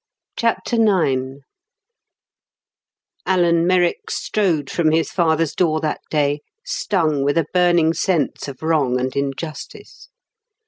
CHAPTER IX Alan Merrick strode from his father's door that day stung with a burning sense of wrong and injustice.